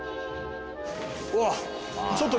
うわっ